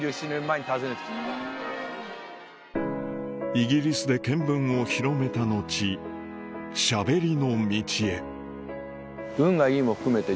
イギリスで見聞を広めた後しゃべりの道へ運がいいも含めて